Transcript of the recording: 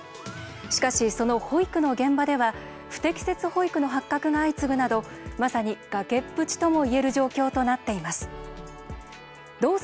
しかし、その保育の現場では不適切保育の発覚が相次ぐなどまさに崖っぷちともいえる状況となっています。